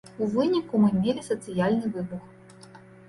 У выніку мы мелі сацыяльны выбух.